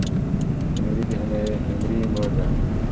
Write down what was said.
ایمیلي د هنري مور ده.